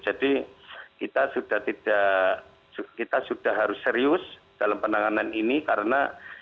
jadi kita sudah harus serius dalam penanganan ini karena